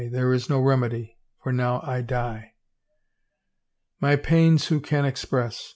There is no remedy, For now 1 die I My pains who can express?